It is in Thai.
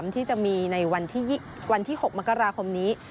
ที่จะมีในวันที่๖มกราคมนี้